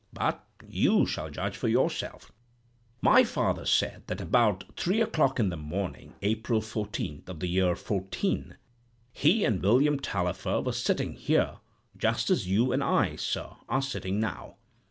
But you shall judge for yourself. "My father said that about three o'clock in the morning, April fourteenth, of the year 'fourteen, he and William Tallifer were sitting here, just as you and I, sir, are sitting now.